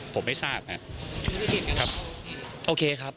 ผมไม่ทราบครับ